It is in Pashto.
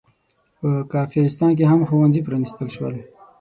په کافرستان کې هم ښوونځي پرانستل شول.